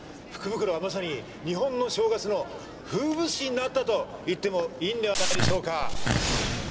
福袋はまさに日本の正月の風物詩になったと言ってもいいんではないでしょうか。